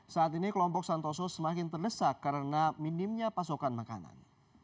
saat ini kelompok santoso semakin terdesak karena minimnya pasokan makanan